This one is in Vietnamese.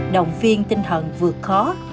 động viên tinh thần vượt khó